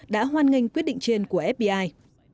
đã hoan nghênh quyết định trên của fbi